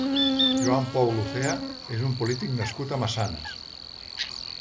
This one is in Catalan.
Joan Pou Lucea és un polític nascut a Massanes.